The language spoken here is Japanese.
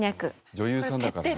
女優さんだからね。